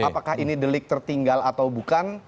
apakah ini delik tertinggal atau bukan